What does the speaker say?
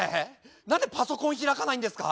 何でパソコン開かないんですか？